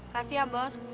kasih ya bos